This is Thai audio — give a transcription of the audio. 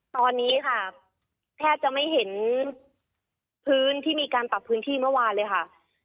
ตอนนี้ค่ะแทบจะไม่เห็นพื้นที่มีการปรับพื้นที่เมื่อวานเลยค่ะ